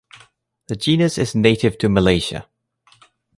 The genus is native to Malesia.